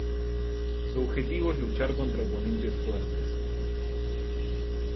Su objetivo es luchar contra oponentes fuertes.